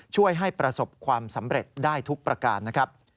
ช่วยให้ประสบความสำเร็จได้ทุกประการนะครับ